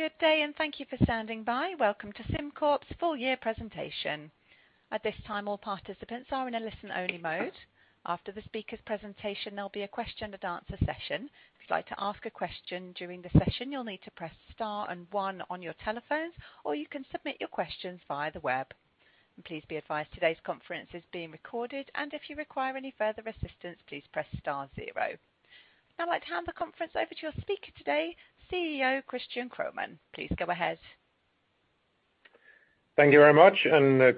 Good day, and thank you for standing by. Welcome to SimCorp's full year presentation. At this time, all participants are in a listen-only mode. After the speaker's presentation, there'll be a question and answer session. If you'd like to ask a question during the session, you'll need to press star and one on your telephones, or you can submit your questions via the web. Please be advised, today's conference is being recorded. If you require any further assistance, please press star zero. I'd like to hand the conference over to your speaker today, CEO Christian Kromann. Please go ahead. Thank you very much,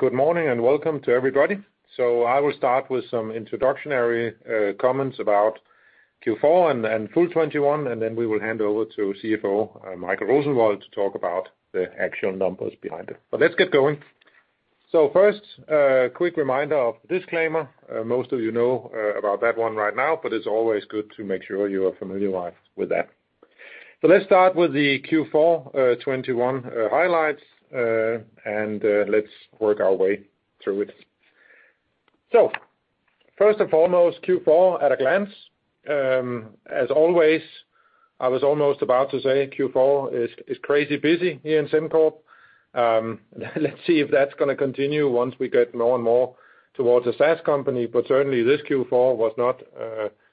good morning and welcome to everybody. I will start with some introductory comments about Q4 and full 2021, and then we will hand over to CFO Michael Rosenvold to talk about the actual numbers behind it. Let's get going. First, a quick reminder of disclaimer. Most of you know about that one right now, but it's always good to make sure you are familiar with that. Let's start with the Q4 2021 highlights, and let's work our way through it. First and foremost, Q4 at a glance. As always, I was almost about to say Q4 is crazy busy here in SimCorp. Let's see if that's gonna continue once we get more and more towards a SaaS company, but certainly this Q4 was not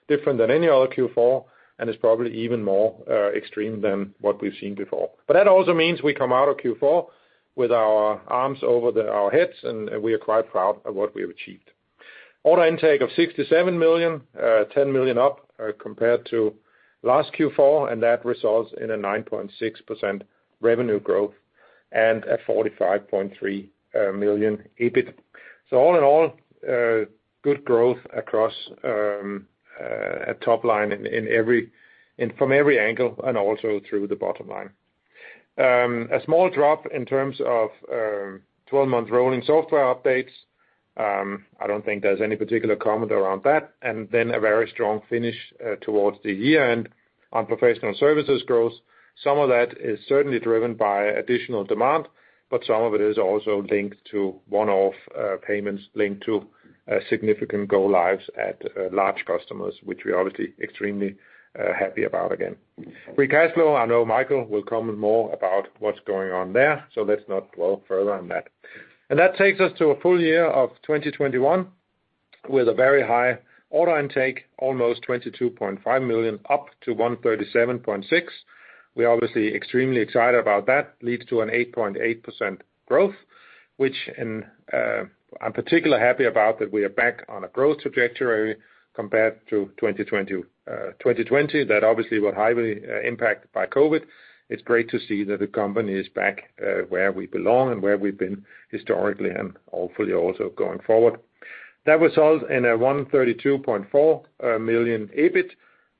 different than any other Q4 and is probably even more extreme than what we've seen before. That also means we come out of Q4 with our arms over our heads and we are quite proud of what we have achieved. Order intake of 67 million, 10 million up compared to last Q4, and that results in a 9.6% revenue growth and a 45.3 million EBIT. All in all, good growth across top line from every angle and also through the bottom line. A small drop in terms of 12-month rolling software updates. I don't think there's any particular comment around that. A very strong finish towards the year-end on professional services growth. Some of that is certainly driven by additional demand, but some of it is also linked to one-off payments linked to significant go lives at large customers, which we're obviously extremely happy about again. Free cash flow, I know Michael will comment more about what's going on there, so let's not dwell further on that. That takes us to a full year of 2021 with a very high order intake, almost 22.5 million, up to 137.6. We're obviously extremely excited about that. Leads to an 8.8% growth, which I'm particularly happy about that we are back on a growth trajectory compared to 2020. That obviously was highly impacted by COVID. It's great to see that the company is back where we belong and where we've been historically and hopefully also going forward. That results in a 132.4 million EBIT,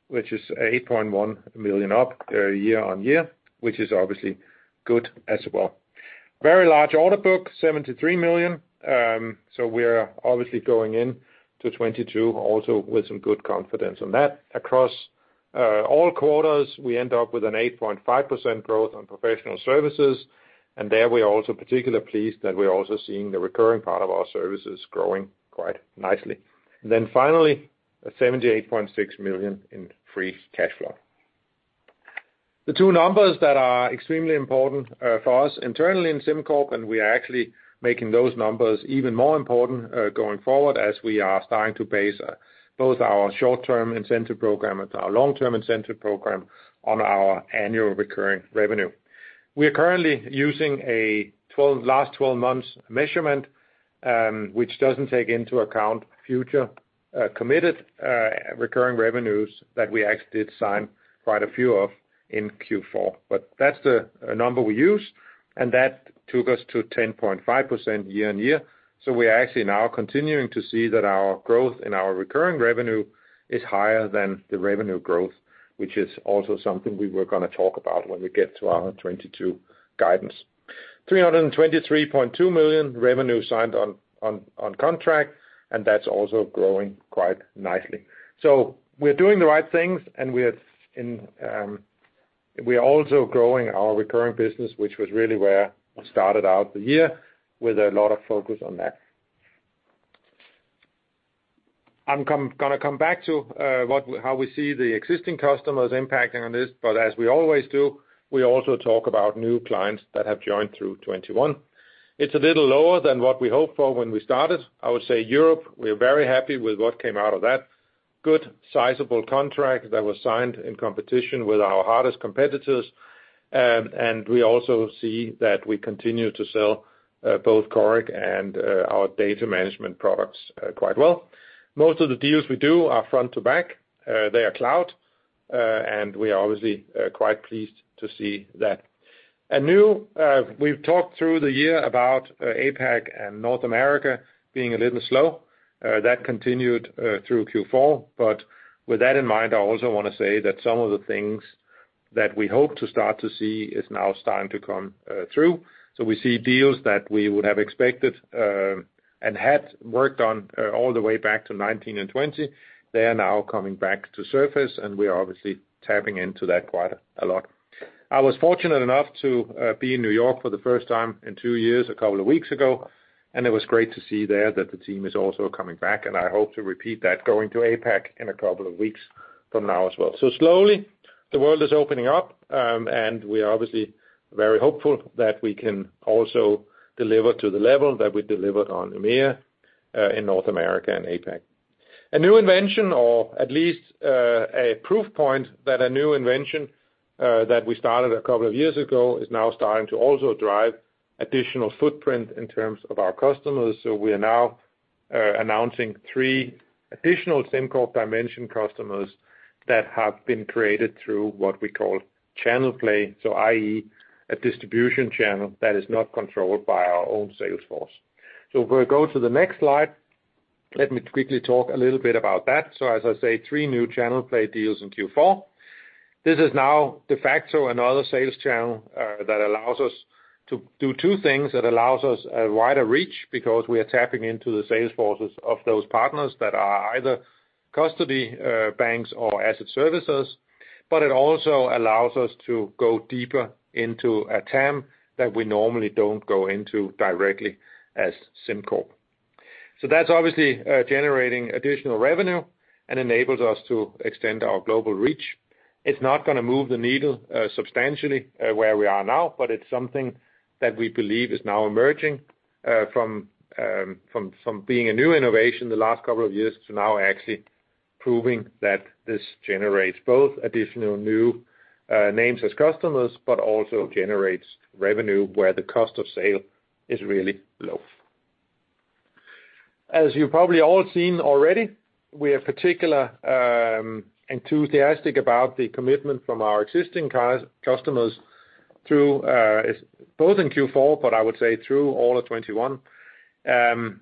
which is 8.1 million up year on year, which is obviously good as well. Very large order book, 73 million. We're obviously going into 2022 also with some good confidence on that. Across all quarters, we end up with an 8.5% growth on professional services. There, we are also particularly pleased that we're also seeing the recurring part of our services growing quite nicely. Finally, 78.6 million in free cash flow. The two numbers that are extremely important for us internally in SimCorp, and we are actually making those numbers even more important going forward as we are starting to base both our short-term incentive program and our long-term incentive program on our annual recurring revenue. We are currently using a last 12 months measurement, which doesn't take into account future committed recurring revenues that we actually did sign quite a few of in Q4. That's the number we use, and that took us to 10.5% year-on-year. We are actually now continuing to see that our growth in our recurring revenue is higher than the revenue growth, which is also something we were gonna talk about when we get to our 2022 guidance. 323.2 million revenue signed on contract, and that's also growing quite nicely. We're doing the right things, and we are also growing our recurring business, which was really where we started out the year with a lot of focus on that. I'm gonna come back to how we see the existing customers impacting on this, but as we always do, we also talk about new clients that have joined through 2021. It's a little lower than what we hoped for when we started. I would say Europe, we're very happy with what came out of that. Good sizable contract that was signed in competition with our hardest competitors. And we also see that we continue to sell both Coric and our data management products quite well. Most of the deals we do are front to back. They are cloud. We are obviously quite pleased to see that. And now we've talked through the year about APAC and North America being a little slow. That continued through Q4. With that in mind, I also wanna say that some of the things that we hope to start to see is now starting to come through. We see deals that we would have expected and had worked on all the way back to 2019 and 2020. They are now coming back to surface, and we are obviously tapping into that quite a lot. I was fortunate enough to be in New York for the first time in two years, a couple of weeks ago, and it was great to see there that the team is also coming back, and I hope to repeat that going to APAC in a couple of weeks from now as well. The world is opening up, and we are obviously very hopeful that we can also deliver to the level that we delivered on EMEA in North America and APAC. A new invention, or at least, a proof point that a new invention that we started a couple of years ago, is now starting to also drive additional footprint in terms of our customers. We are now announcing three additional SimCorp Dimension customers that have been created through what we call channel play i.e., a distribution channel that is not controlled by our own sales force. If we go to the next slide, let me quickly talk a little bit about that. As I say, three new channel play deals in Q4. This is now de facto another sales channel that allows us to do two things, that allows us a wider reach because we are tapping into the sales forces of those partners that are either custody banks or asset services. It also allows us to go deeper into a TAM that we normally don't go into directly as SimCorp. That's obviously generating additional revenue and enables us to extend our global reach. It's not gonna move the needle substantially where we are now, but it's something that we believe is now emerging from being a new innovation the last couple of years to now actually proving that this generates both additional new names as customers, but also generates revenue where the cost of sale is really low. As you've probably all seen already, we are particularly enthusiastic about the commitment from our existing customers through both in Q4, but I would say through all of 2021.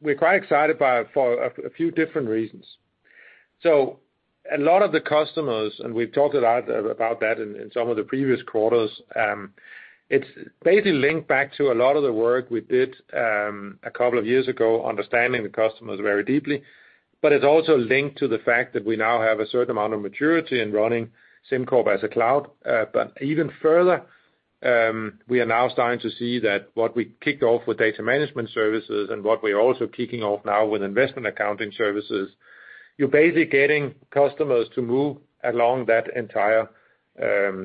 We're quite excited by it for a few different reasons. A lot of the customers, and we've talked a lot about that in some of the previous quarters, it's basically linked back to a lot of the work we did a couple of years ago understanding the customers very deeply. It's also linked to the fact that we now have a certain amount of maturity in running SimCorp as a cloud. Even further, we are now starting to see that what we kicked off with Data Management Services and what we're also kicking off now with Investment Accounting Services, you're basically getting customers to move along that entire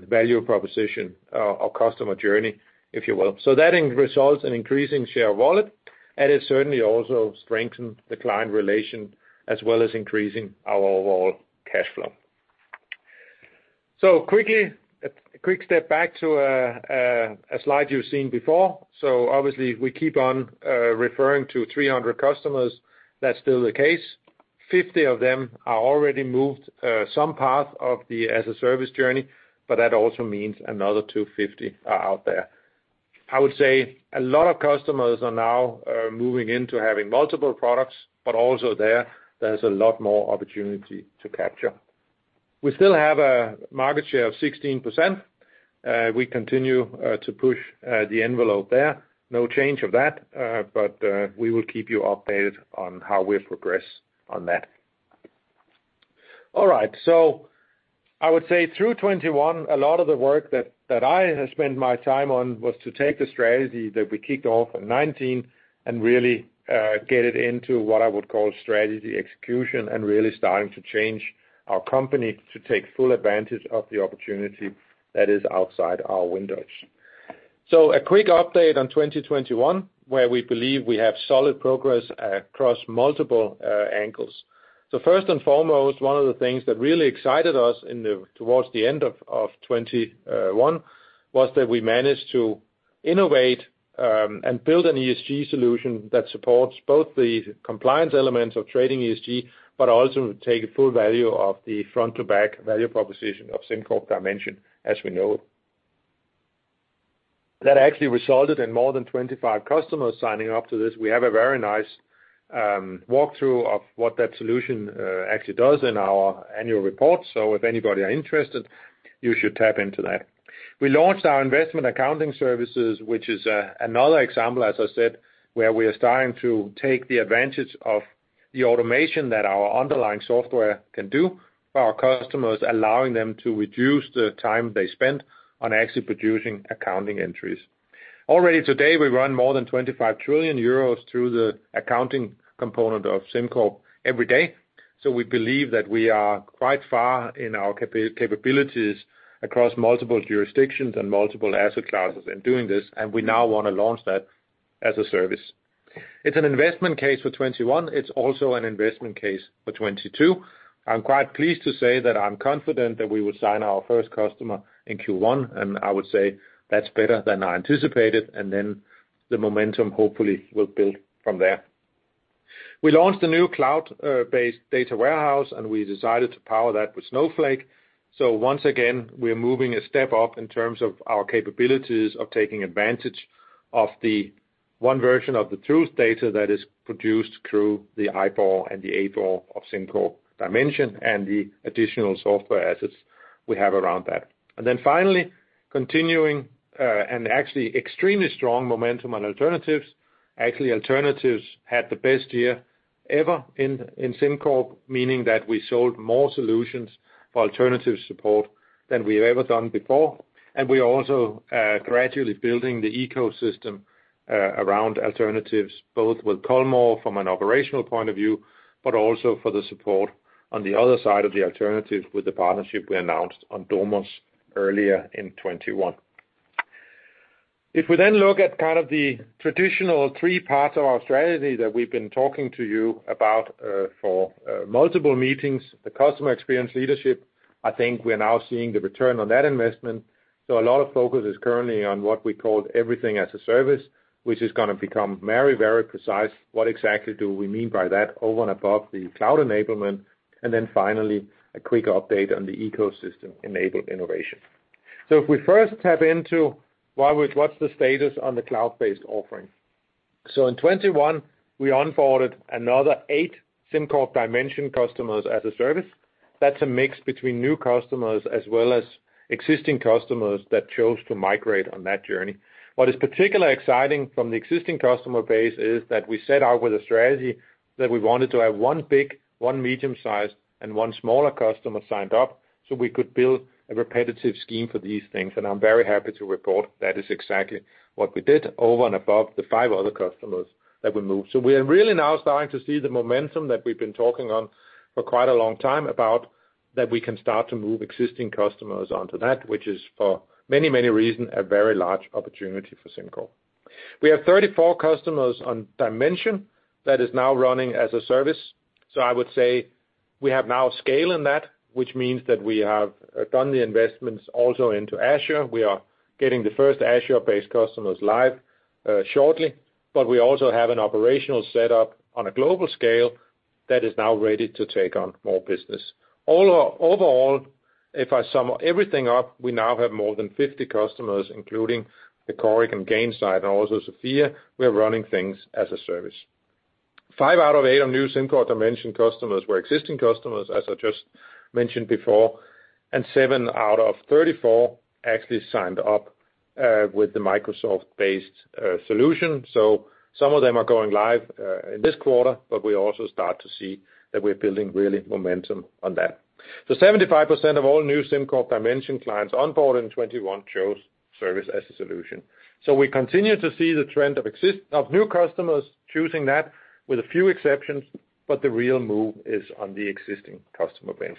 value proposition or customer journey, if you will. That results in increasing share of wallet, and it certainly also strengthens the client relation as well as increasing our overall cash flow. Quickly, a quick step back to a slide you've seen before. Obviously we keep on referring to 300 customers. That's still the case. 50 of them are already moved, some path of the as a service journey, but that also means another 250 are out there. I would say a lot of customers are now moving into having multiple products, but also there's a lot more opportunity to capture. We still have a market share of 16%. We continue to push the envelope there. No change of that. But we will keep you updated on how we progress on that. All right. I would say through 2021, a lot of the work that I have spent my time on was to take the strategy that we kicked off in 2019 and really get it into what I would call strategy execution and really starting to change our company to take full advantage of the opportunity that is outside our windows. A quick update on 2021, where we believe we have solid progress across multiple angles. First and foremost, one of the things that really excited us towards the end of 2021 was that we managed to innovate and build an ESG solution that supports both the compliance elements of trading ESG, but also take full value of the front-to-back value proposition of SimCorp Dimension as we know it. That actually resulted in more than 25 customers signing up to this. We have a very nice walkthrough of what that solution actually does in our annual report. If anybody are interested, you should tap into that. We launched our investment accounting services, which is another example, as I said, where we are starting to take the advantage of the automation that our underlying software can do for our customers, allowing them to reduce the time they spend on actually producing accounting entries. Already today, we run more than 25 trillion euros through the accounting component of SimCorp every day. We believe that we are quite far in our capabilities across multiple jurisdictions and multiple asset classes in doing this, and we now wanna launch that as a service. It's an investment case for 2021. It's also an investment case for 2022. I'm quite pleased to say that I'm confident that we will sign our first customer in Q1, and I would say that's better than I anticipated, and then the momentum hopefully will build from there. We launched a new cloud-based data warehouse, and we decided to power that with Snowflake. Once again, we're moving a step up in terms of our capabilities of taking advantage of the one version of the truth data that is produced through the IBOR and the ABOR of SimCorp Dimension and the additional software assets we have around that. Finally, continuing and actually extremely strong momentum on alternatives. Actually, alternatives had the best year ever in SimCorp, meaning that we sold more solutions for alternative support than we've ever done before. We are also gradually building the ecosystem around alternatives, both with Colmore from an operational point of view, but also for the support on the other side of the alternative with the partnership we announced with Domos earlier in 2021. If we look at kind of the traditional three parts of our strategy that we've been talking to you about for multiple meetings, the customer experience leadership, I think we're now seeing the return on that investment. A lot of focus is currently on what we call everything as a service, which is gonna become very, very precise. What exactly do we mean by that over and above the cloud enablement? Finally, a quick update on the ecosystem-enabled innovation. If we first tap into what's the status on the cloud-based offering? In 2021, we onboarded another eight SimCorp Dimension customers as a service. That's a mix between new customers as well as existing customers that chose to migrate on that journey. What is particularly exciting from the existing customer base is that we set out with a strategy that we wanted to have one big, one medium-sized, and one smaller customer signed up, so we could build a repetitive scheme for these things. I'm very happy to report that is exactly what we did over and above the five other customers that we moved. We are really now starting to see the momentum that we've been talking on for quite a long time about that we can start to move existing customers onto that, which is for many, many reasons, a very large opportunity for SimCorp. We have 34 customers on Dimension that is now running as a service. I would say we have now scale in that, which means that we have done the investments also into Azure. We are getting the first Azure-based customers live shortly, but we also have an operational setup on a global scale that is now ready to take on more business. Overall, if I sum everything up, we now have more than 50 customers, including the Coric and Gain side, and also Sofia, we are running things as a service. Five out of eight of new SimCorp Dimension customers were existing customers, as I just mentioned before, and seven out of 34 actually signed up with the Microsoft-based solution. Some of them are going live in this quarter, but we also start to see that we're building real momentum on that. 75% of all new SimCorp Dimension clients onboard in 2021 chose SaaS as a solution. We continue to see the trend of new customers choosing that with a few exceptions, but the real move is on the existing customer base.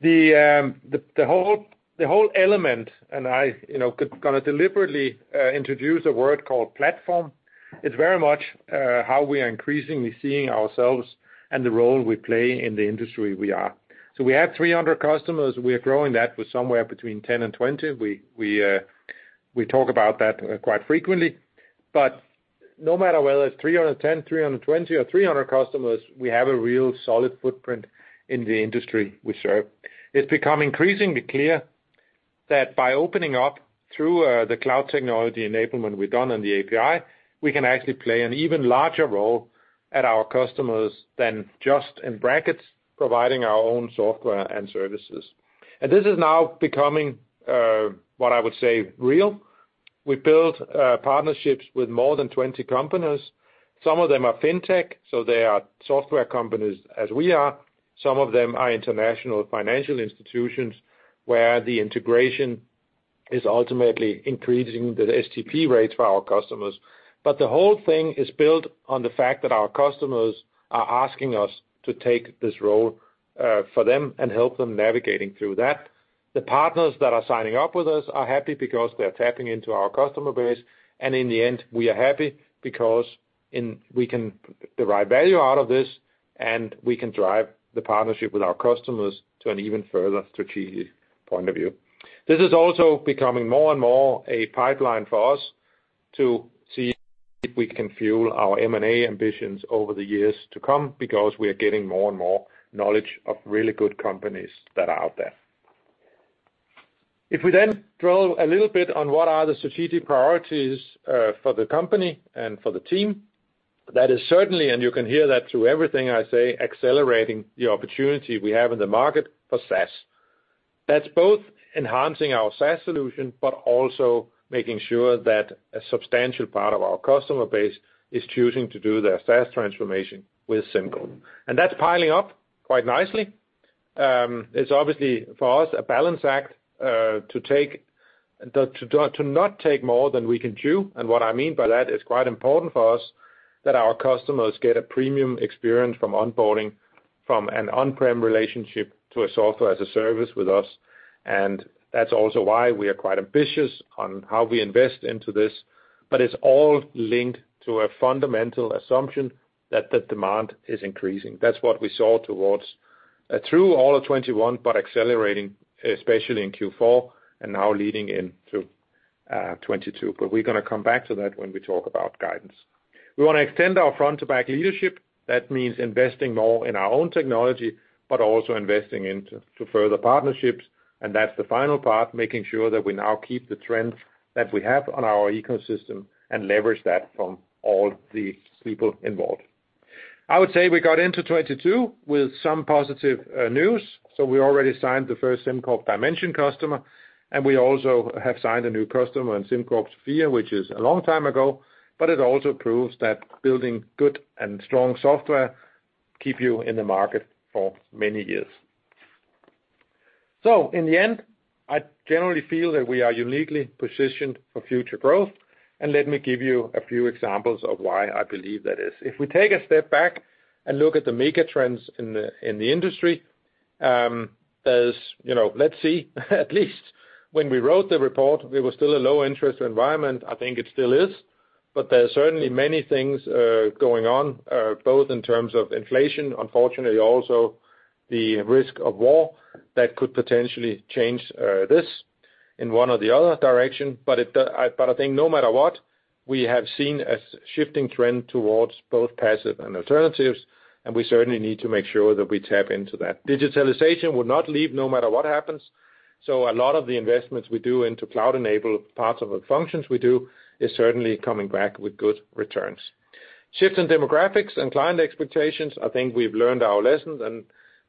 The whole element, and I, you know, gonna deliberately introduce a word called platform. It's very much how we are increasingly seeing ourselves and the role we play in the industry we are. We have 300 customers. We are growing that with somewhere between 10 and 20. We talk about that quite frequently. No matter whether it's 310, 320, or 300 customers, we have a real solid footprint in the industry we serve. It's become increasingly clear that by opening up through the cloud technology enablement we've done on the API, we can actually play an even larger role at our customers than just in brackets providing our own software and services. This is now becoming what I would say real. We built partnerships with more than 20 companies. Some of them are fintech, so they are software companies as we are. Some of them are international financial institutions, where the integration is ultimately increasing the STP rates for our customers. The whole thing is built on the fact that our customers are asking us to take this role for them and help them navigating through that. The partners that are signing up with us are happy because they're tapping into our customer base. In the end, we are happy because in we can derive value out of this, and we can drive the partnership with our customers to an even further strategic point of view. This is also becoming more and more a pipeline for us to see if we can fuel our M&A ambitions over the years to come because we are getting more and more knowledge of really good companies that are out there. If we then drill a little bit on what are the strategic priorities, for the company and for the team, that is certainly, and you can hear that through everything I say, accelerating the opportunity we have in the market for SaaS. That's both enhancing our SaaS solution, but also making sure that a substantial part of our customer base is choosing to do their SaaS transformation with SimCorp. That's piling up quite nicely. It's obviously for us a balancing act to not take more than we can chew. What I mean by that is quite important for us that our customers get a premium experience from onboarding from an on-prem relationship to a software as a service with us. That's also why we are quite ambitious on how we invest into this. It's all linked to a fundamental assumption that the demand is increasing. That's what we saw through all of 2021, but accelerating, especially in Q4, and now leading into 2022. We're gonna come back to that when we talk about guidance. We wanna extend our front to back leadership. That means investing more in our own technology, but also investing into further partnerships. That's the final part, making sure that we now keep the trends that we have on our ecosystem and leverage that from all the people involved. I would say we got into 2022 with some positive news. We already signed the first SimCorp Dimension customer, and we also have signed a new customer on SimCorp Sofia, which is a long time ago, but it also proves that building good and strong software keep you in the market for many years. In the end, I generally feel that we are uniquely positioned for future growth. Let me give you a few examples of why I believe that is. If we take a step back and look at the mega trends in the industry, as you know, let's see, at least when we wrote the report, there was still a low interest environment. I think it still is, but there are certainly many things going on, both in terms of inflation, unfortunately also the risk of war that could potentially change this in one or the other direction. I think no matter what, we have seen a shifting trend towards both passive and alternatives, and we certainly need to make sure that we tap into that. Digitalization will not leave no matter what happens. A lot of the investments we do into cloud-enabled parts of the functions we do is certainly coming back with good returns. Shift in demographics and client expectations, I think we've learned our lessons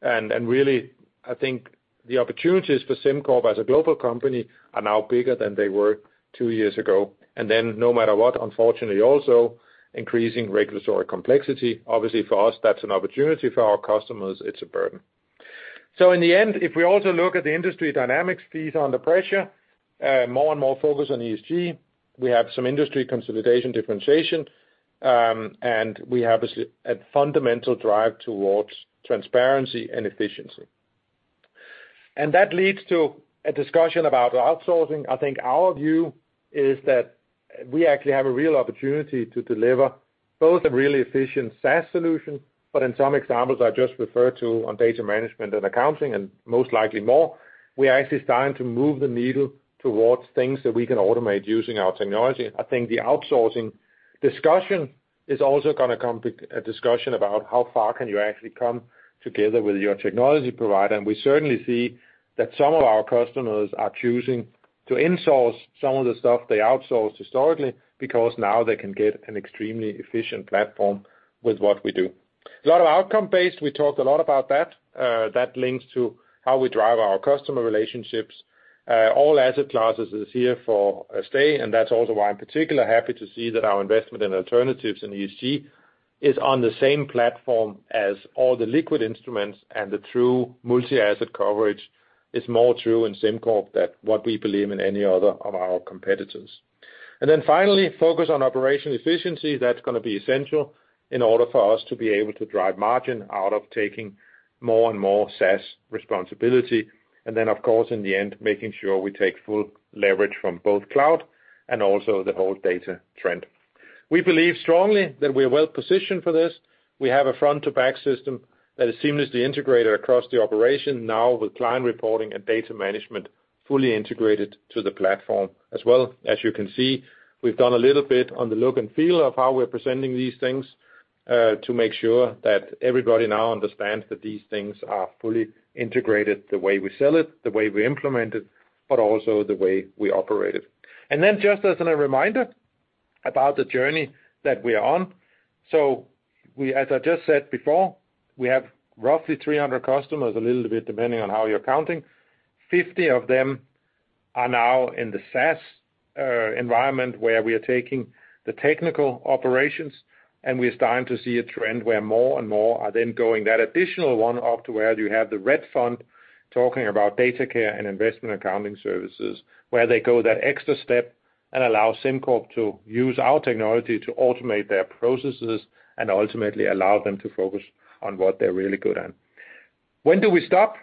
and really, I think the opportunities for SimCorp as a global company are now bigger than they were two years ago. No matter what, unfortunately also increasing regulatory complexity. Obviously, for us, that's an opportunity, for our customers, it's a burden. In the end, if we also look at the industry dynamics, fees under pressure, more and more focus on ESG. We have some industry consolidation, differentiation, and we have a fundamental drive towards transparency and efficiency. That leads to a discussion about outsourcing. I think our view is that we actually have a real opportunity to deliver both a really efficient SaaS solution, but in some examples I just referred to on data management and accounting, and most likely more, we are actually starting to move the needle towards things that we can automate using our technology. I think the outsourcing discussion is also gonna come to a discussion about how far can you actually come together with your technology provider. We certainly see that some of our customers are choosing to insource some of the stuff they outsourced historically, because now they can get an extremely efficient platform with what we do. A lot of outcome-based, we talked a lot about that. That links to how we drive our customer relationships. All asset classes are here to stay, and that's also why I'm particularly happy to see that our investment in alternatives in ESG is on the same platform as all the liquid instruments and the true multi-asset coverage is more true in SimCorp than what we believe in any other of our competitors. Finally, focus on operational efficiency, that's gonna be essential in order for us to be able to drive margin out of taking more and more SaaS responsibility. Of course, in the end, making sure we take full leverage from both cloud and also the whole data trend. We believe strongly that we are well-positioned for this. We have a front-to-back system that is seamlessly integrated across the operation now with client reporting and data management fully integrated to the platform as well. As you can see, we've done a little bit on the look and feel of how we're presenting these things to make sure that everybody now understands that these things are fully integrated the way we sell it, the way we implement it, but also the way we operate it. Just as a reminder about the journey that we're on. We, as I just said before, have roughly 300 customers, a little bit depending on how you're counting. 50 of them are now in the SaaS environment where we are taking the technical operations, and we're starting to see a trend where more and more are then going that additional one up to where you have the red fund talking about Datacare and Investment Accounting Services, where they go that extra step and allow SimCorp to use our technology to automate their processes and ultimately allow them to focus on what they're really good at. When do we stop?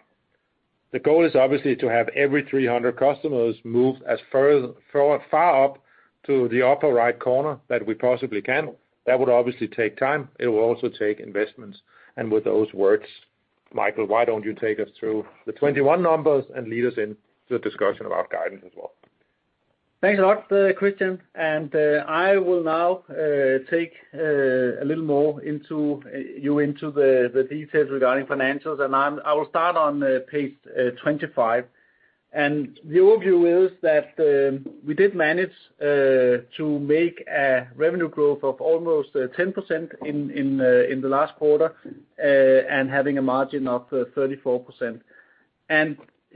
The goal is obviously to have every 300 customers move forward, far up to the upper right corner that we possibly can. That would obviously take time. It will also take investments. With those words, Michael, why don't you take us through the 21 numbers and lead us into the discussion about guidance as well? Thanks a lot, Christian. I will now take you into the details regarding financials. I will start on page 25. The overview is that we did manage to make a revenue growth of almost 10% in the last quarter and having a margin of 34%.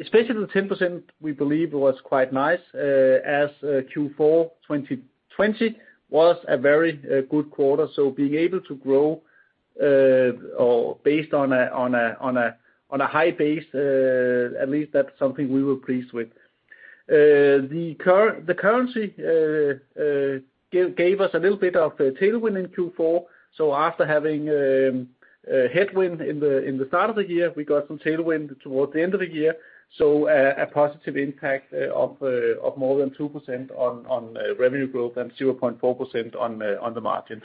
Especially the 10% we believe was quite nice, as Q4 2020 was a very good quarter. Being able to grow, or based on a high base, at least that's something we were pleased with. The currency gave us a little bit of a tailwind in Q4. After having a headwind in the start of the year, we got some tailwind towards the end of the year. A positive impact of more than 2% on revenue growth and 0.4% on the margin.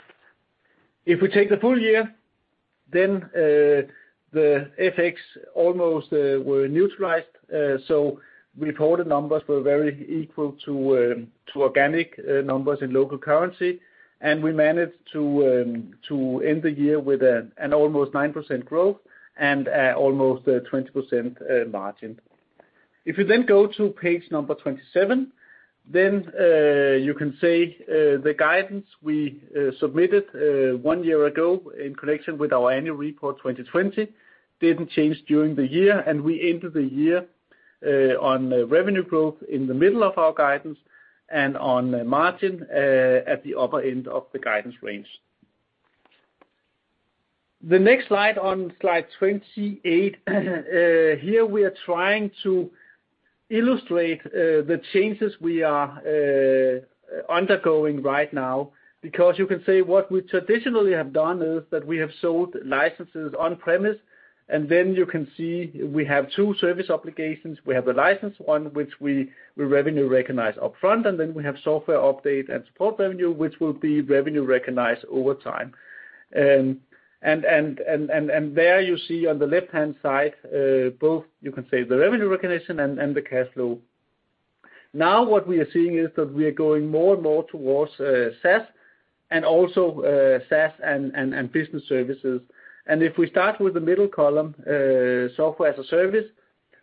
If we take the full year, then the FX almost were neutralized. Reported numbers were very equal to organic numbers in local currency. We managed to end the year with an almost 9% growth and almost a 20% margin. If you then go to page number 27, you can see the guidance we submitted one year ago in connection with our annual report 2020 didn't change during the year. We ended the year on revenue growth in the middle of our guidance and on margin at the upper end of the guidance range. The next slide, on slide 28, here we are trying to illustrate the changes we are undergoing right now because you can say what we traditionally have done is that we have sold licenses on-premise, and then you can see we have two service applications. We have a license, one which we revenue recognize upfront, and then we have software update and support revenue, which will be revenue recognized over time. And there you see on the left-hand side, both, you can say the revenue recognition and the cash flow. Now, what we are seeing is that we are going more and more towards SaaS and also SaaS and business services. If we start with the middle column, software as a service,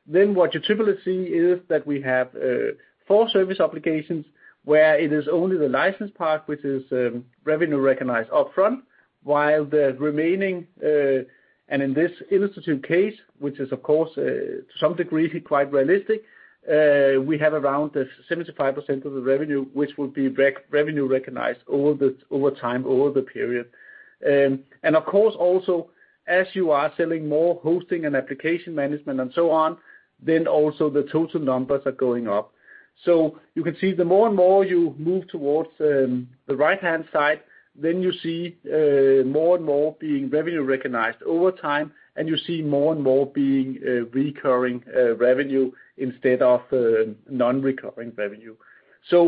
then what you typically see is that we have four service applications where it is only the license part, which is revenue recognized upfront, while the remaining, and in this illustrative case, which is of course to some degree quite realistic, we have around the 75% of the revenue which will be revenue recognized over time, over the period. Of course also, as you are selling more hosting and application management and so on, then also the total numbers are going up. You can see the more and more you move towards the right-hand side, then you see more and more being revenue recognized over time, and you see more and more being recurring revenue instead of non-recurring revenue.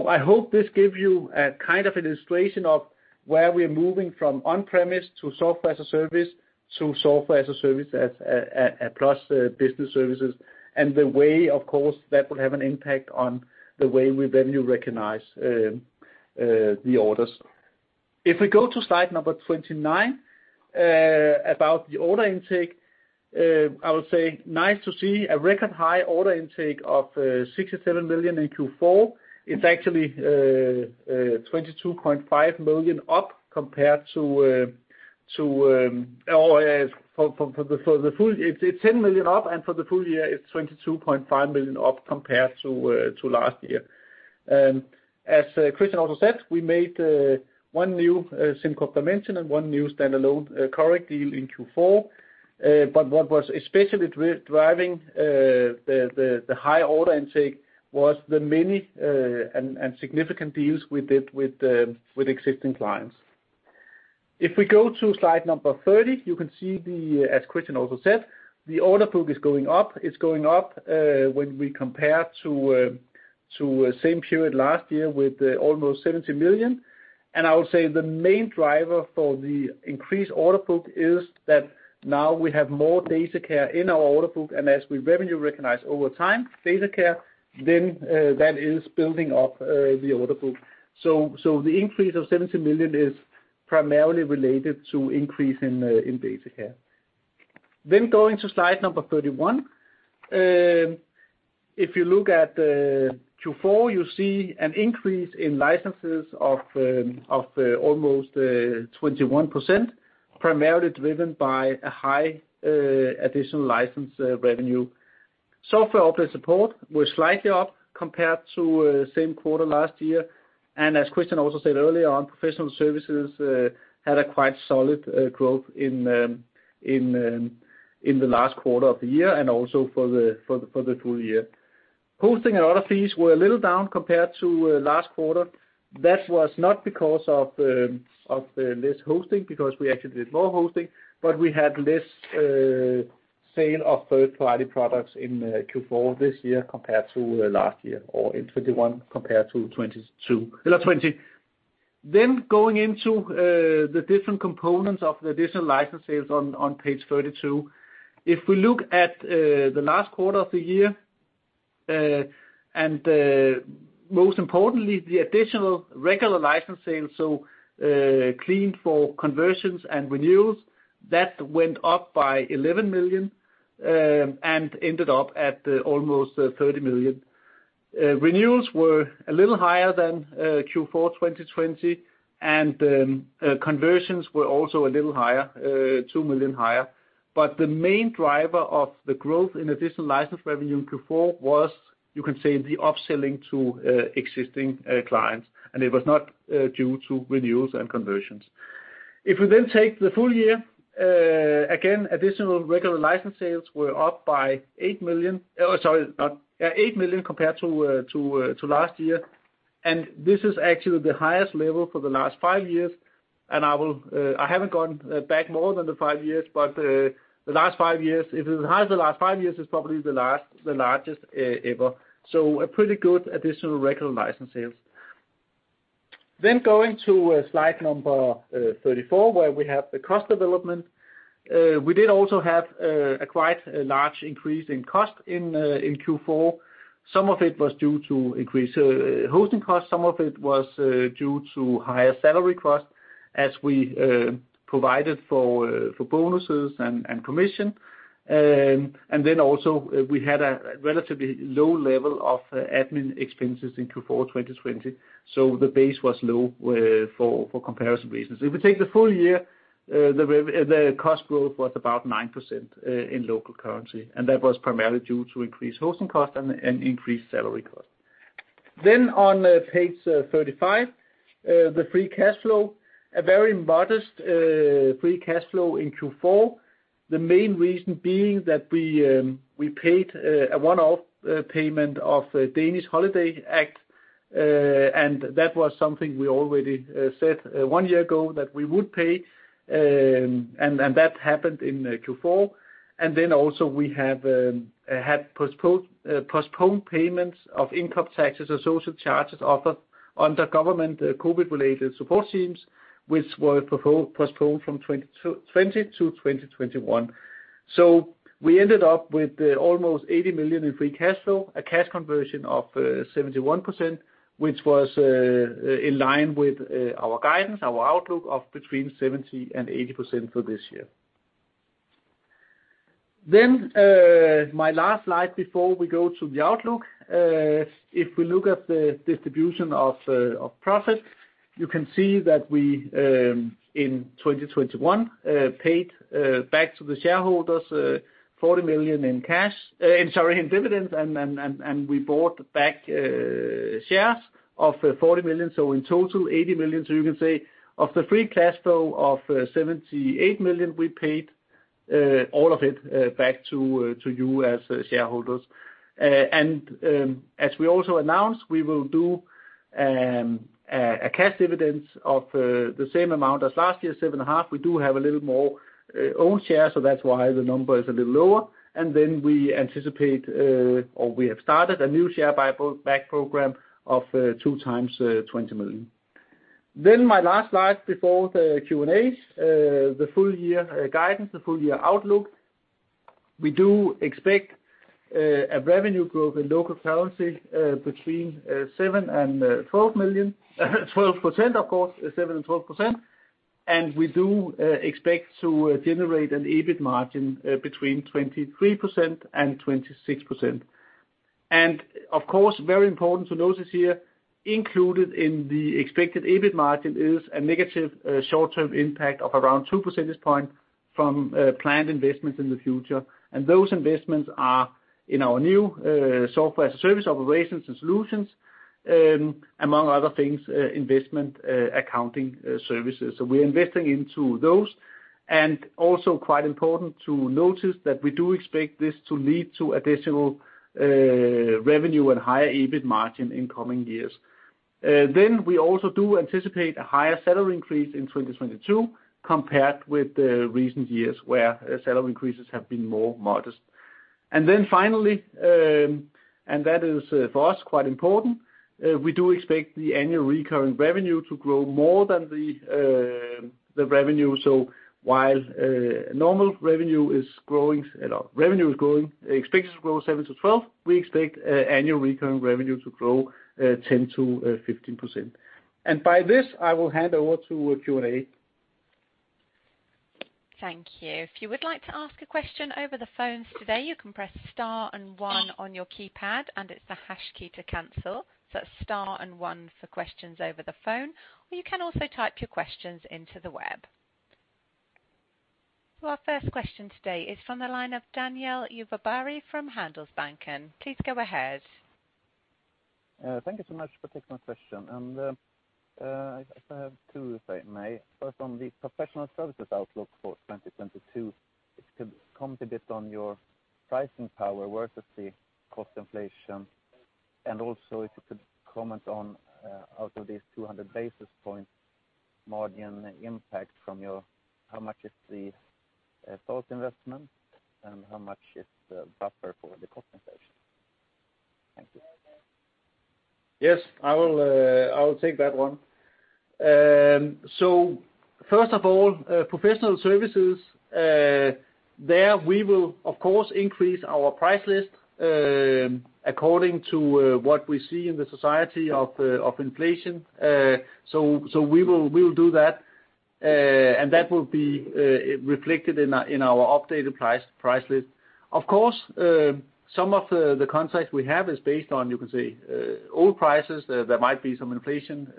I hope this gives you a kind of illustration of where we're moving from on-premise to software as a service, to software as a service as plus business services, and the way, of course, that will have an impact on the way we revenue recognize the orders. If we go to slide number 29 about the order intake, I would say nice to see a record high order intake of 67 million in Q4. It's actually 10 million up, and for the full year, it's 22.5 million up compared to last year. As Christian also said, we made one new SimCorp Dimension and one new standalone Coric deal in Q4. What was especially driving the high order intake was the many and significant deals we did with existing clients. If we go to slide number 30, you can see, as Christian also said, the order book is going up. It's going up when we compare to same period last year with almost 70 million. I would say the main driver for the increased order book is that now we have more Datacare in our order book, and as we revenue recognize over time Datacare, that is building up the order book. So the increase of 70 million is primarily related to increase in Datacare. Going to slide number 31. If you look at Q4, you see an increase in licenses of almost 21%, primarily driven by a high additional license revenue. Software update support was slightly up compared to same quarter last year. As Christian also said earlier on, professional services had a quite solid growth in the last quarter of the year and also for the full year. Hosting and order fees were a little down compared to last quarter. That was not because of the less hosting, because we actually did more hosting, but we had less sale of third-party products in Q4 this year compared to last year, or in 2021 compared to 2022, 2020. Going into the different components of the additional license sales on page 32. If we look at the last quarter of the year and most importantly, the additional regular license sales, so cleaned for conversions and renewals, that went up by 11 million and ended up at almost 30 million. Renewals were a little higher than Q4 2020, and conversions were also a little higher, 2 million higher. The main driver of the growth in additional license revenue in Q4 was, you can say, the upselling to existing clients, and it was not due to renewals and conversions. If we take the full year, again, additional regular license sales were up by 8 million compared to last year. This is actually the highest level for the last five years. I haven't gone back more than the five years, but in the last five years, it's probably the largest ever. So a pretty good additional regular license sales. Going to slide number 34, where we have the cost development. We did also have a large increase in cost in Q4. Some of it was due to increased hosting costs, some of it was due to higher salary costs as we provided for bonuses and commission. We had a relatively low level of admin expenses in Q4 2020. The base was low for comparison reasons. If we take the full year, the cost growth was about 9% in local currency, and that was primarily due to increased hosting costs and increased salary costs. On page 35, the free cash flow was a very modest free cash flow in Q4. The main reason being that we paid a one-off payment of the Danish Holiday Act. That was something we already said one year ago that we would pay. That happened in Q4. We had postponed payments of income taxes or social charges offered under government COVID-related support schemes, which were postponed from 2020 to 2021. We ended up with almost 80 million in free cash flow, a cash conversion of 71%, which was in line with our guidance, our outlook of between 70% and 80% for this year. My last slide before we go to the outlook. If we look at the distribution of profit, you can see that we in 2021 paid back to the shareholders 40 million in cash, sorry, in dividends, and we bought back shares of 40 million. In total 80 million. You can say of the free cash flow of 78 million, we paid all of it back to you as shareholders. As we also announced, we will do a cash dividend of the same amount as last year, 7.5. We do have a little more own shares, so that's why the number is a little lower. We anticipate, or we have started a new share buyback program of 2x 20 million. My last slide before the Q&A, the full year guidance, the full year outlook. We do expect a revenue growth in local currency between 7% and 12%, of course. We do expect to generate an EBIT margin between 23% and 26%. Of course, very important to notice here, included in the expected EBIT margin is a negative short-term impact of around two percentage point from planned investments in the future. Those investments are in our new software service operations and solutions, among other things, investment accounting services. We're investing into those. Also quite important to notice that we do expect this to lead to additional revenue and higher EBIT margin in coming years. We also do anticipate a higher salary increase in 2022 compared with the recent years where salary increases have been more modest. Finally, and that is, for us, quite important, we do expect the annual recurring revenue to grow more than the revenue. While normal revenue is growing, expected to grow 7%-12%, we expect annual recurring revenue to grow 10%-15%. By this, I will hand over to Q&A. Thank you. If you would like to ask a question over the phones today, you can press star and one on your keypad, and it's the hash key to cancel. Star and one for questions over the phone, or you can also type your questions into the web. Our first question today is from the line of Daniel Djurberg from Handelsbanken. Please go ahead. Thank you so much for taking my question. I have two, if I may. First, on the professional services outlook for 2022, if you could comment a bit on your pricing power versus the cost inflation. Also, if you could comment on out of these 200 basis points margin impact from your, how much is the source investment, and how much is the buffer for the compensation? Thank you. Yes. I will take that one. So first of all, professional services, there we will of course increase our price list according to what we see in the society of inflation. So we will do that, and that will be reflected in our updated price list. Of course, some of the contracts we have is based on, you can say, old prices. There might be some inflation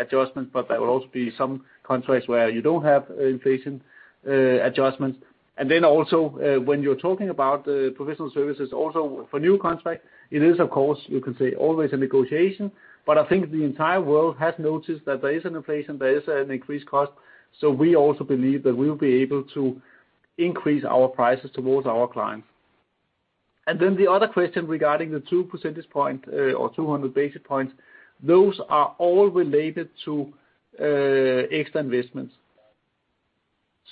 adjustments, but there will also be some contracts where you don't have inflation adjustments. Then also, when you're talking about professional services also for new contracts, it is of course, you can say, always a negotiation. I think the entire world has noticed that there is an inflation, there is an increased cost. We also believe that we'll be able to increase our prices toward our clients. The other question regarding the 2 percentage points or 200 basis points, those are all related to extra investments.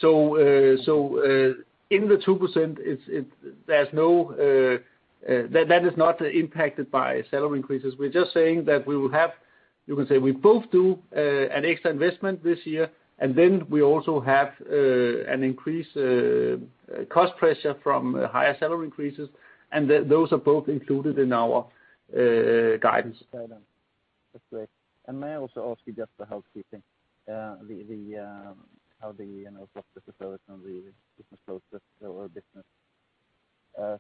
In the 2%, there's no, that is not impacted by salary increases. We're just saying that we will have, you can say we both do an extra investment this year, and then we also have an increased cost pressure from higher salary increases, and those are both included in our guidance. Got it. That's great. May I also ask you just for housekeeping, how the, you know, software as a service and the business process or business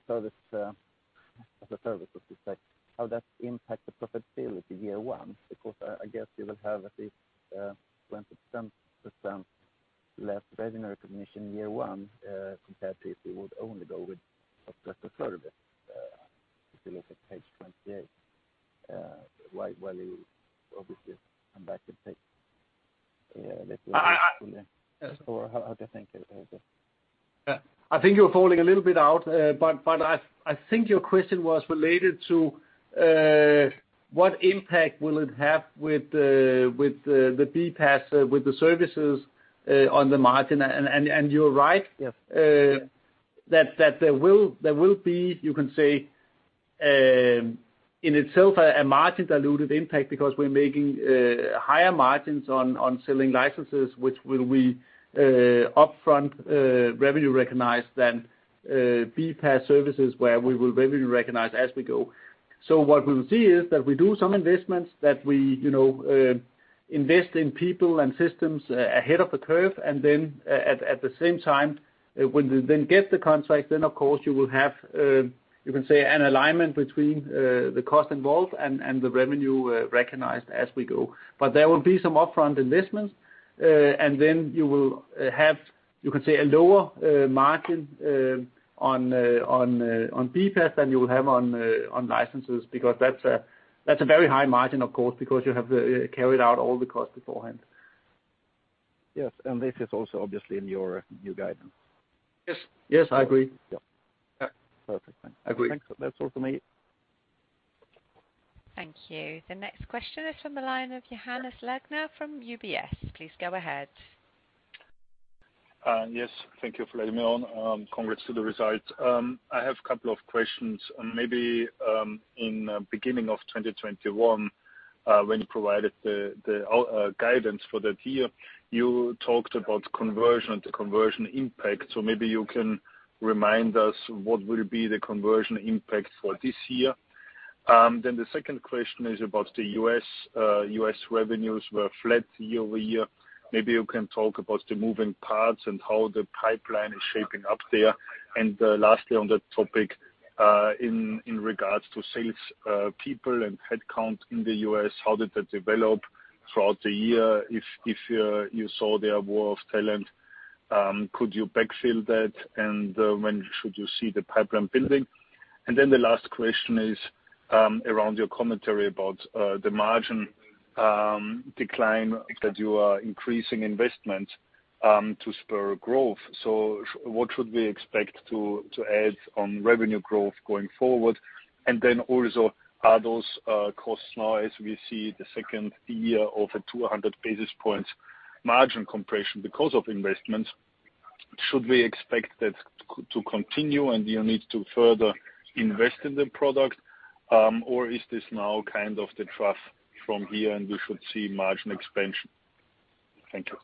service as a service, let's just say, how that impact the profitability year one? Because I guess you will have at least 20%... Less revenue recognition year one, compared to if you would only go with software as a service, if you look at page 28, while you obviously come back to page. How do you think? Yeah. I think you're falling a little bit out. I think your question was related to what impact will it have with the BPaaS with the services on the margin? You're right. Yes. That there will be, you can say, in itself a margin dilutive impact because we're making higher margins on selling licenses which will be upfront revenue recognized than BPaaS services, where we will revenue recognize as we go. What we will see is that we do some investments that we, you know, invest in people and systems ahead of the curve. At the same time, when we then get the contract, then of course you will have, you can say, an alignment between the cost involved and the revenue recognized as we go. There will be some upfront investments, and then you will have, you can say, a lower margin on BPaaS than you will have on licenses because that's a very high margin, of course, because you have carried out all the costs beforehand. Yes. This is also obviously in your new guidance. Yes. Yes, I agree. Yeah. Yeah. Perfect. Thanks. Agree. Thanks. That's all for me. Thank you. The next question is from the line of Johannes Langer from UBS. Please go ahead. Yes, thank you for letting me on. Congrats to the results. I have a couple of questions. Maybe, in beginning of 2021, when you provided the guidance for that year, you talked about the conversion impact. Maybe you can remind us what will be the conversion impact for this year. The second question is about the U.S. U.S. revenues were flat year-over-year. Maybe you can talk about the moving parts and how the pipeline is shaping up there. Lastly on that topic, in regards to sales, people and headcount in the U.S., how did that develop throughout the year? If you saw the war of talent, could you backfill that? When should you see the pipeline building? Then the last question is around your commentary about the margin decline that you are increasing investment to spur growth. What should we expect to add on revenue growth going forward? Then also, are those costs now as we see the second year of a 200 basis points margin compression because of investments, should we expect that to continue and you need to further invest in the product? Or is this now kind of the trough from here and we should see margin expansion? Thank you.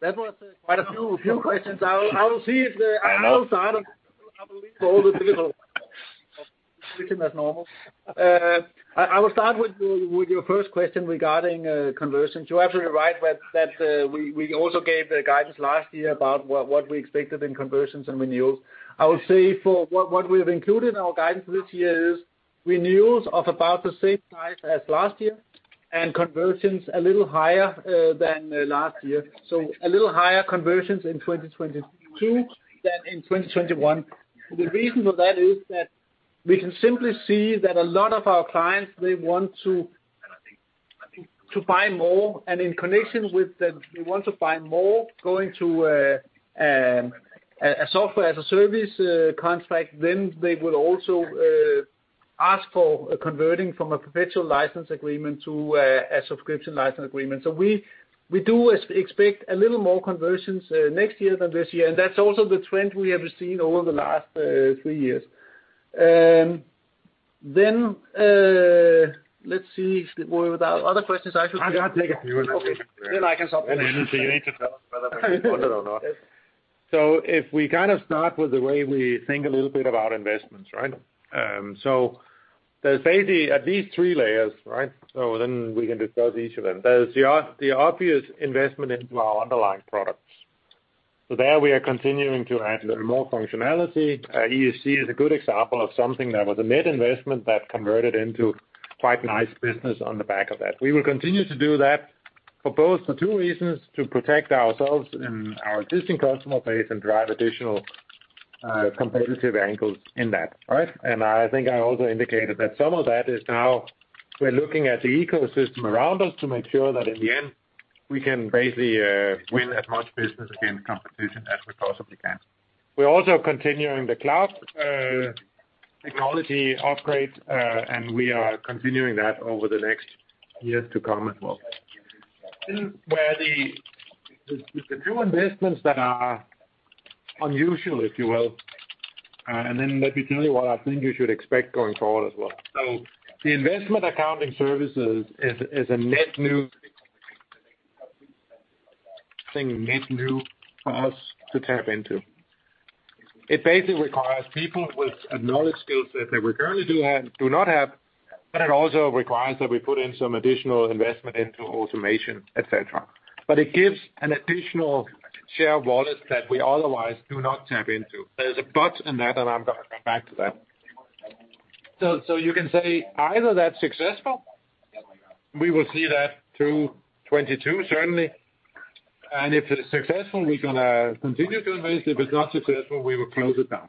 That was quite a few questions. I will see if that's as normal. I will start with your first question regarding conversions. You're absolutely right that we also gave the guidance last year about what we expected in conversions and renewals. I will say what we have included in our guidance this year is renewals of about the same size as last year and conversions a little higher than last year. A little higher conversions in 2022 than in 2021. The reason for that is that we can simply see that a lot of our clients they want to buy more. In connection with them, they want to buy more going to a software as a service contract, then they will also ask for converting from a perpetual license agreement to a subscription license agreement. We do expect a little more conversions next year than this year, and that's also the trend we have seen over the last three years. Let's see what are the other questions I should... I take a few of the questions. Okay. I can stop. If we kind of start with the way we think a little bit about investments, right? There's basically at least three layers, right? We can discuss each of them. There's the obvious investment into our underlying products. There we are continuing to add a little more functionality. ESG is a good example of something that was a net investment that converted into quite nice business on the back of that. We will continue to do that for both, for two reasons, to protect ourselves and our existing customer base and drive additional, competitive angles in that, right? I think I also indicated that some of that is now we're looking at the ecosystem around us to make sure that in the end we can basically, win as much business against competition as we possibly can. We're also continuing the cloud technology upgrade, and we are continuing that over the next years to come as well. The few investments that are unusual, if you will, and let me tell you what I think you should expect going forward as well. The Investment Accounting Services is a net new thing, net new for us to tap into. It basically requires people with a knowledge skill set that we currently do not have, but it also requires that we put in some additional investment into automation, et cetera. But it gives an additional share of wallet that we otherwise do not tap into. There's a but in that, and I'm gonna come back to that. You can say either that's successful, we will see that through 2022 certainly. If it's successful, we're gonna continue to invest. If it's not successful, we will close it down.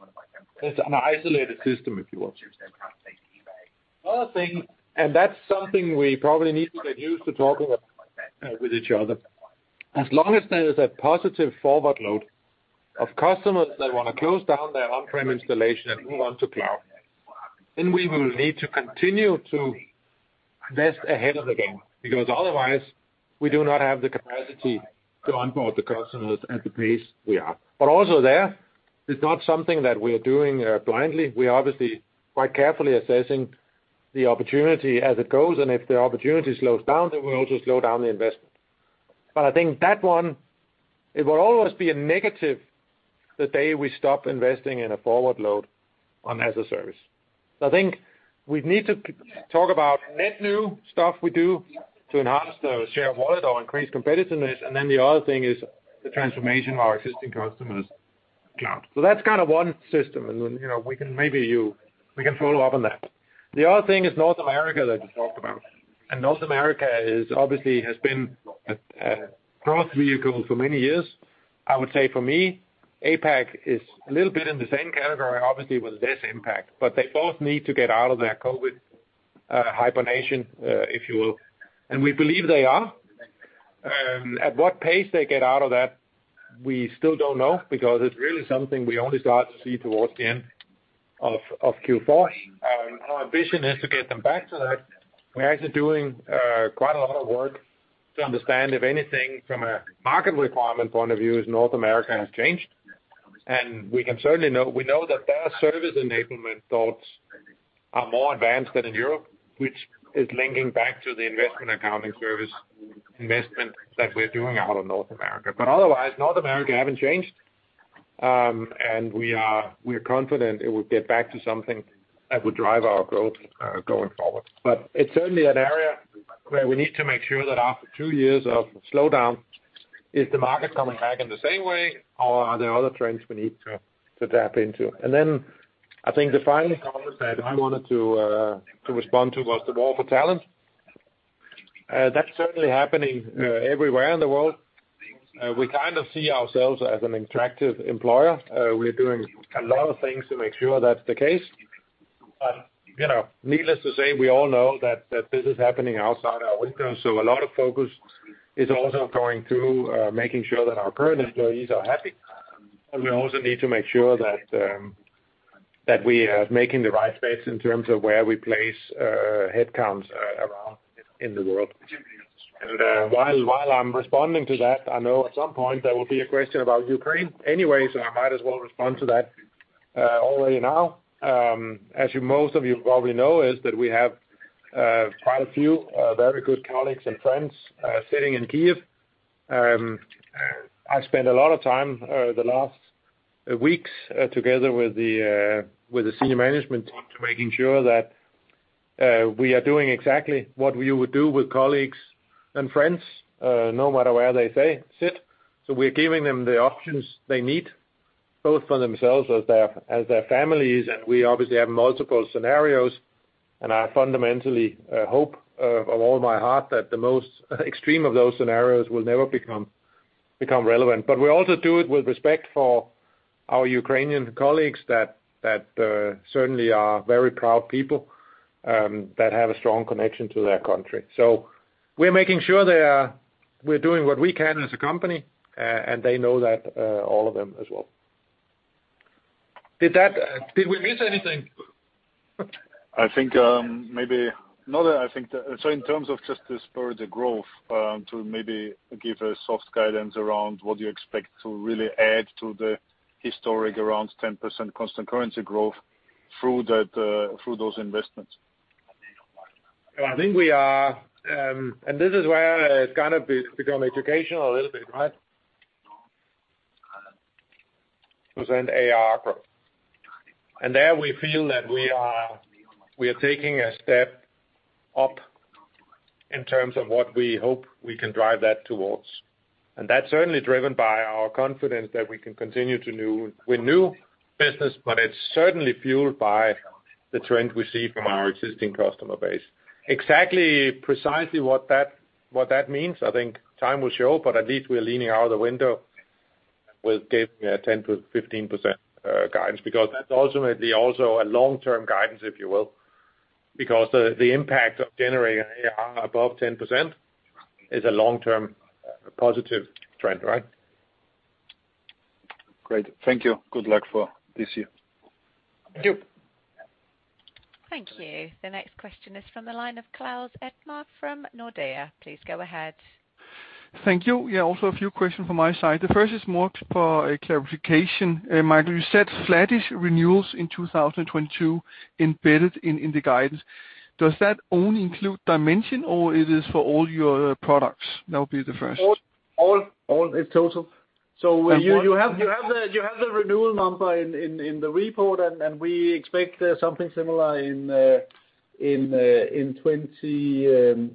It's an isolated system, if you will. The other thing, and that's something we probably need to get used to talking about with each other. As long as there's a positive forward load of customers that wanna close down their on-prem installation and move on to cloud, then we will need to continue to invest ahead of the game. Because otherwise we do not have the capacity to onboard the customers at the pace we are. Also there, it's not something that we're doing blindly. We're obviously quite carefully assessing the opportunity as it goes, and if the opportunity slows down, then we'll just slow down the investment. I think that one, it will always be a negative the day we stop investing in a forward-looking as-a-service. I think we need to talk about net new stuff we do to enhance the share of wallet or increase competitiveness, and then the other thing is the transformation of our existing customers to cloud. That's kind of one system. You know, we can follow up on that. The other thing is North America that you talked about. North America has obviously been a growth vehicle for many years. I would say for me, APAC is a little bit in the same category, obviously with less impact. They both need to get out of their COVID hibernation, if you will. We believe they are. At what pace they get out of that, we still don't know because it's really something we only start to see towards the end of Q4. Our ambition is to get them back to that. We're actually doing quite a lot of work to understand if anything from a market requirement point of view in North America has changed. We can certainly know that we know their service enablement thoughts are more advanced than in Europe, which is linking back to the Investment Accounting Services investment that we're doing out of North America. Otherwise, North America haven't changed. We are confident it will get back to something that will drive our growth going forward. It's certainly an area where we need to make sure that after two years of slowdown, is the market coming back in the same way, or are there other trends we need to tap into? I think the final comment that I wanted to respond to was the war for talent. That's certainly happening everywhere in the world. We kind of see ourselves as an attractive employer. We're doing a lot of things to make sure that's the case. You know, needless to say, we all know that this is happening outside our windows, so a lot of focus is also going to making sure that our current employees are happy. We also need to make sure that we are making the right bets in terms of where we place headcounts around the world. While I'm responding to that, I know at some point there will be a question about Ukraine anyway, so I might as well respond to that already now. As most of you probably know, we have quite a few very good colleagues and friends sitting in Kyiv. I spent a lot of time in the last weeks together with the senior management team in making sure that we are doing exactly what we would do with colleagues and friends no matter where they sit. We're giving them the options they need, both for themselves as their families, and we obviously have multiple scenarios. I fundamentally hope with all my heart that the most extreme of those scenarios will never become relevant. We also do it with respect for our Ukrainian colleagues that certainly are very proud people that have a strong connection to their country. We're making sure they are we're doing what we can as a company, and they know that, all of them as well. Did we miss anything? I think in terms of just the SaaS growth to maybe give a soft guidance around what you expect to really add to the historical around 10% constant currency growth through that through those investments. I think we are. This is where it's gonna become educational a little bit, right? To present ARR growth. There we feel that we are taking a step up in terms of what we hope we can drive that towards. That's certainly driven by our confidence that we can continue to new with new business, but it's certainly fueled by the trend we see from our existing customer base. Exactly, precisely what that means, I think time will show, but at least we're leaning out of the window with giving a 10%-15% guidance. That's ultimately also a long-term guidance, if you will, because the impact of generating ARR above 10% is a long-term positive trend, right? Great. Thank you. Good luck for this year. Thank you. Thank you. The next question is from the line of Claus Almer from Nordea. Please go ahead. Thank you. Yeah, also a few questions from my side. The first is more for a clarification. Michael, you said flattish renewals in 2022 embedded in the guidance. Does that only include Dimension or it is for all your products? That would be the first. All in total. You have the renewal number in the report, and we expect something similar in 2022.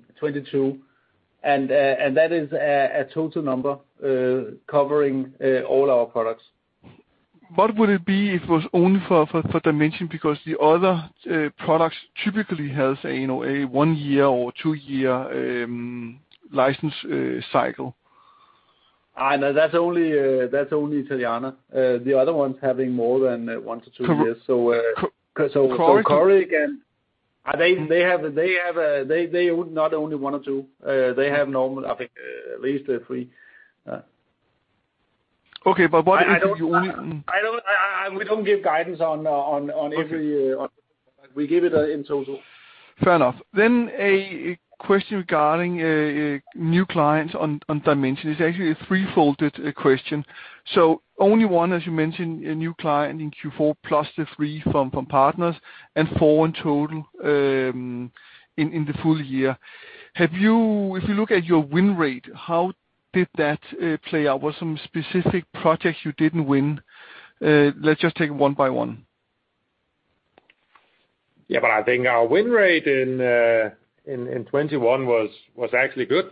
That is a total number covering all our products. What would it be if it was only for Dimension? Because the other products typically has a you know a one-year or two-year license cycle. No, that's only Italiana. The other ones having more than 1-2 years. Coric? Coric and they have not only one or two. They have normally, I think, at least three. Okay. What if it's only? We don't give guidance on every Okay. We give it in total. Fair enough. A question regarding new clients on Dimension. It's actually a three-fold question. Only one, as you mentioned, a new client in Q4, plus the three from partners, and four in total, in the full year. If you look at your win rate, how did that play out? Was some specific projects you didn't win? Let's just take one by one. Yeah. I think our win rate in 2021 was actually good.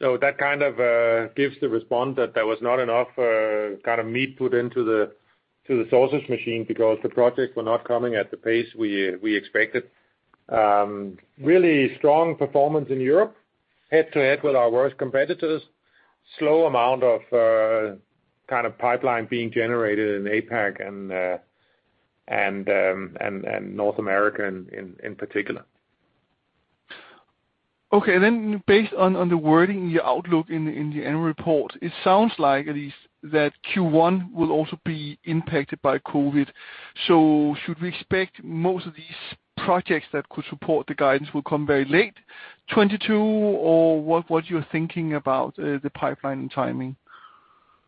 That kind of gives the response that there was not enough kind of meat put into the sausage machine because the projects were not coming at the pace we expected. Really strong performance in Europe, head-to-head with our worst competitors. Slow amount of kind of pipeline being generated in APAC and North America in particular. Based on the wording in your outlook in the annual report, it sounds like at least that Q1 will also be impacted by COVID. Should we expect most of these projects that could support the guidance will come very late? 2022 or what you're thinking about, the pipeline and timing?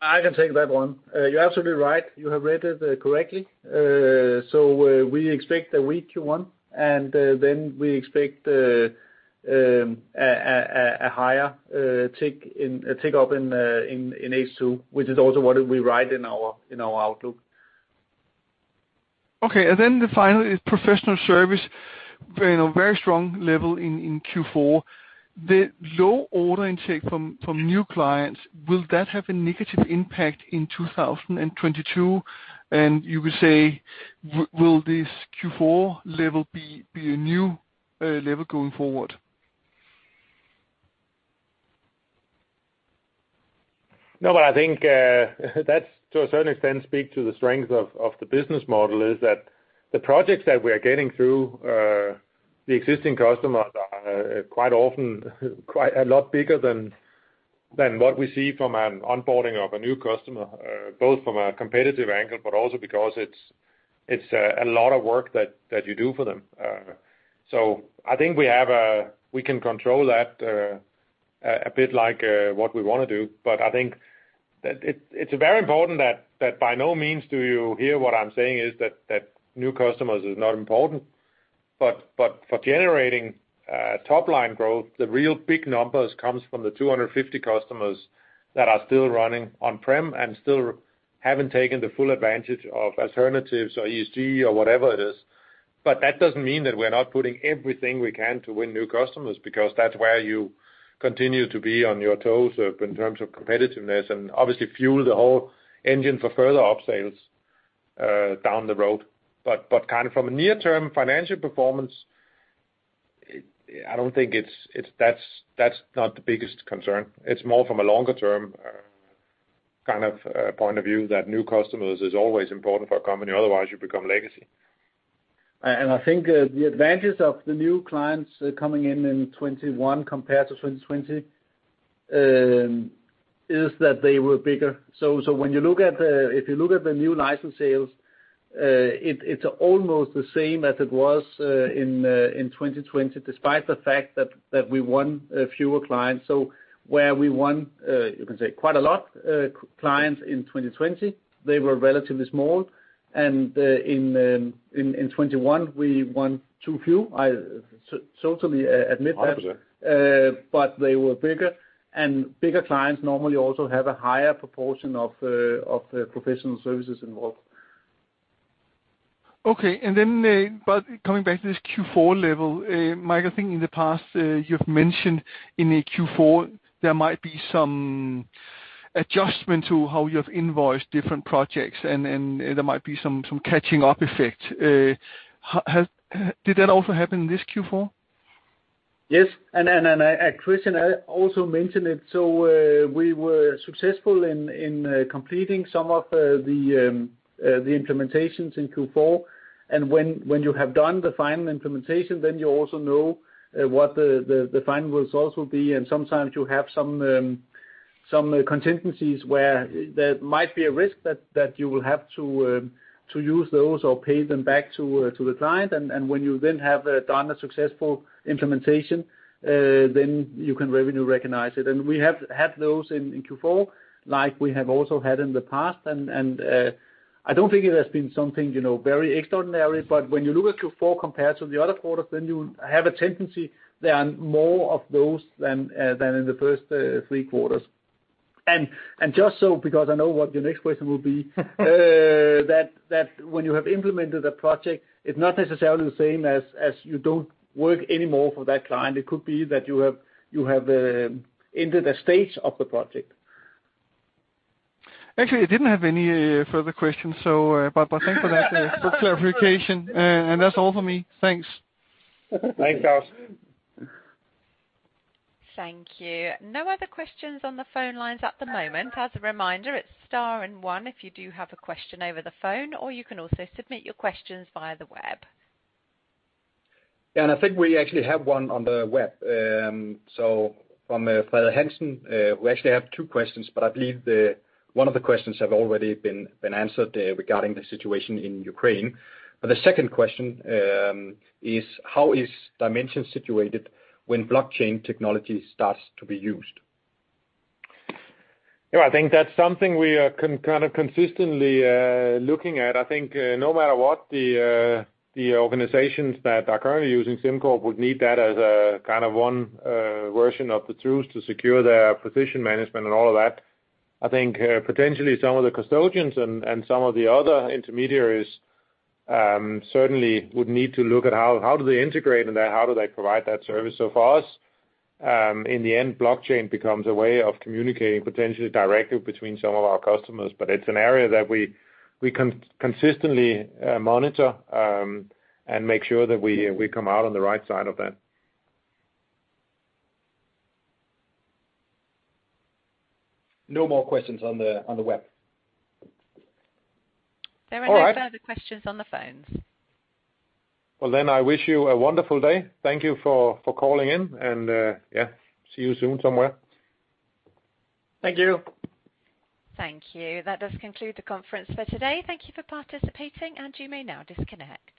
I can take that one. You're absolutely right. You have read it correctly. So we expect a weak Q1, and then we expect a higher tick up in H2, which is also what we write in our outlook. Okay. The final is professional service. You know, very strong level in Q4. The low order intake from new clients, will that have a negative impact in 2022? You would say, will this Q4 level be a new level going forward? No, I think that to a certain extent speak to the strength of the business model, is that the projects that we are getting through the existing customers are quite often quite a lot bigger than what we see from an onboarding of a new customer, both from a competitive angle, but also because it's a lot of work that you do for them. I think we can control that a bit like what we wanna do. I think that it's very important that by no means do you hear what I'm saying is that new customers is not important. For generating top line growth, the real big numbers comes from the 250 customers that are still running on-prem and still haven't taken the full advantage of alternatives or ESG or whatever it is. That doesn't mean that we're not putting everything we can to win new customers, because that's where you continue to be on your toes in terms of competitiveness and obviously fuel the whole engine for further upsales down the road. Kind of from a near-term financial performance, I don't think that's the biggest concern. It's more from a longer term kind of point of view that new customers is always important for a company, otherwise you become legacy. I think the advantage of the new clients coming in in 2021 compared to 2020 is that they were bigger. When you look at the new license sales, it's almost the same as it was in 2020, despite the fact that we won fewer clients. We won quite a lot of clients in 2020; they were relatively small. In 2021, we won too few. I totally admit that. 100%. They were bigger, and bigger clients normally also have a higher proportion of professional services involved. Okay. Coming back to this Q4 level, Michael, I think in the past, you've mentioned in a Q4 there might be some adjustment to how you have invoiced different projects and there might be some catching up effect. Did that also happen in this Q4? Yes. Christian also mentioned it. We were successful in completing some of the implementations in Q4. When you have done the final implementation, then you also know what the final results will be. Sometimes you have some contingencies where there might be a risk that you will have to use those or pay them back to the client. When you then have done a successful implementation, then you can revenue recognize it. We have had those in Q4, like we have also had in the past. I don't think it has been something, you know, very extraordinary. When you look at Q4 compared to the other quarters, then you have a tendency there are more of those than in the first three quarters. Just so, because I know what your next question will be. That when you have implemented a project, it's not necessarily the same as you don't work anymore for that client. It could be that you have ended a stage of the project. Actually, I didn't have any further questions, so but thanks for that for clarification. That's all for me. Thanks. Thanks, Claus Almer. Thank you. No other questions on the phone lines at the moment. As a reminder, it's star and one if you do have a question over the phone or you can also submit your questions via the web. Yeah, I think we actually have one on the web. So from Frederik Hansen, we actually have two questions, but I believe one of the questions have already been answered regarding the situation in Ukraine. The second question is how is Dimension situated when blockchain technology starts to be used? Yeah, I think that's something we are kind of consistently looking at. I think no matter what the organizations that are currently using SimCorp would need that as a kind of one version of the truth to secure their position management and all of that. I think potentially some of the custodians and some of the other intermediaries certainly would need to look at how do they integrate and how do they provide that service. For us, in the end, blockchain becomes a way of communicating potentially directly between some of our customers, but it's an area that we consistently monitor and make sure that we come out on the right side of that. No more questions on the web. There are no further questions on the phone. All right. Well, then I wish you a wonderful day. Thank you for calling in and, yeah, see you soon somewhere. Thank you. Thank you. That does conclude the conference for today. Thank you for participating, and you may now disconnect.